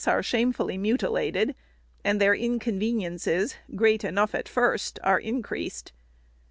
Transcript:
477 are shamefully mutilated, and their inconveniences, great enough at first, are increased.